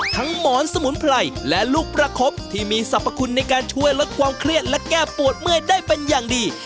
หมอนสมุนไพรและลูกประคบที่มีสรรพคุณในการช่วยลดความเครียดและแก้ปวดเมื่อยได้เป็นอย่างดี